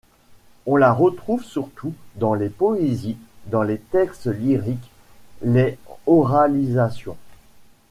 On la retrouve surtout dans les poésies, dans les textes lyriques, les oralisations.